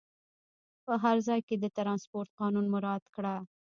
په هر ځای کې د ترانسپورټ قانون مراعات کړه.